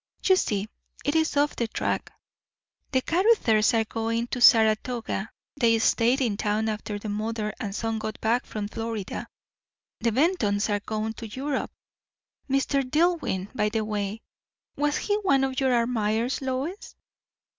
You see, it is off the track. The Caruthers are going to Saratoga; they stayed in town after the mother and son got back from Florida. The Bentons are gone to Europe. Mr. Dillwyn, by the way, was he one of your admirers, Lois?"